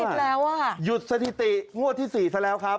สามงวดติดแล้วอ่ะหยุดสถิติงวดที่สี่ซะแล้วครับ